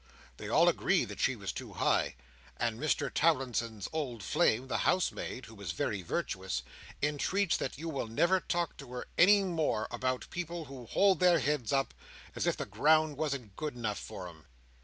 They all agree that she was too high, and Mr Towlinson's old flame, the housemaid (who is very virtuous), entreats that you will never talk to her any more about people who hold their heads up, as if the ground wasn't good enough for 'em.